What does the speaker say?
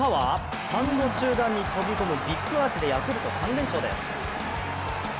スタンド中段に飛び込むビッグアーチでヤクルト３連勝です。